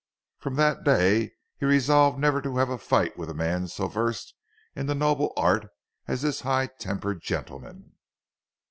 From that day, he resolved never to have a fight with a man so versed in the noble art as this high tempered gentleman.